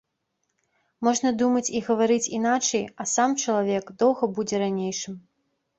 Можна думаць і гаварыць іначай, а сам чалавек доўга будзе ранейшым.